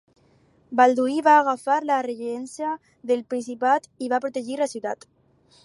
Balduí va agafar la regència del principat i va protegir la ciutat.